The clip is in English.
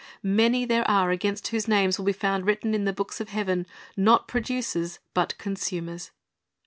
Many there are against whose names will be found written in the books of heaven. Not producers, but consumers.